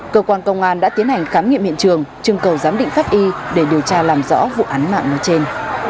cơ quan công an đã tiến hành khám nghiệm hiện trường trưng cầu giám định pháp y để điều tra làm rõ vụ án mạng nói trên